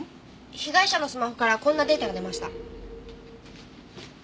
被害者のスマホからこんなデータが出ました。